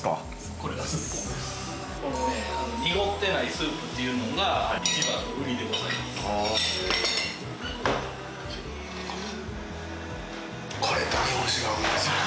このにごってないスープっていうのがいちばんのウリでございます。